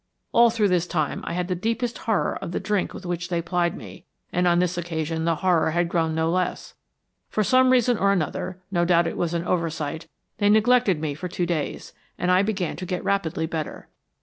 All through this time I had the deepest horror of the drink with which they plied me, and on this occasion the horror had grown no less. For some reason or another, no doubt it was an oversight, they neglected me for two days, and I began to get rapidly better.